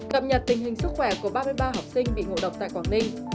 cập nhật tình hình sức khỏe của ba mươi ba học sinh bị ngộ độc tại quảng ninh